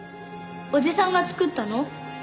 おじさんが作ったの？